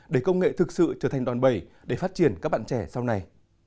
để công nghệ thực sự trở thành đòn bẩy để phát triển các bạn trẻ sau này